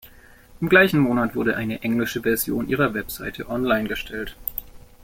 Im gleichen Monat wurde eine englische Version ihrer Website online gestellt.